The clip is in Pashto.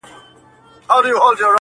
زه دي د ژوند اسمان ته پورته کړم، ه ياره